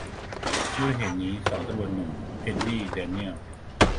ด้วยเหตุนี้สองตำรวจหนุ่ม เท็ดดี้ แดเนียลส์